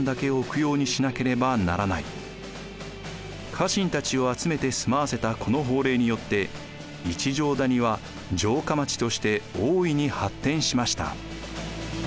家臣たちを集めて住まわせたこの法令によって一乗谷は城下町として大いに発展しました。